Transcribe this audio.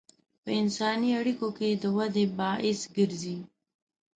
په انساني اړیکو کې د ودې باعث ګرځي.